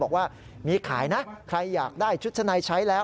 บอกว่ามีขายนะใครอยากได้ชุดชะในใช้แล้ว